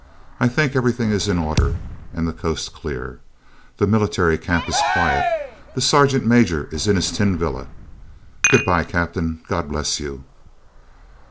I think everything is in order and the coast clear. The military camp is quiet, the sergeant major is in his 'tin villa.' Good bye, Captain. God bless you."